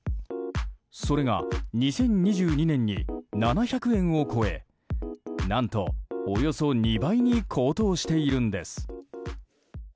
それが２０２２年に７００円を超え何とおよそ２倍に高騰しているんです。